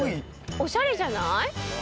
おしゃれじゃない？